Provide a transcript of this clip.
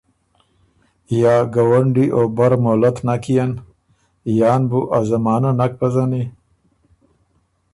یا ګوَنډی او بر مولت نک يېن؟ یان بُو ا زمانۀ نک پزنی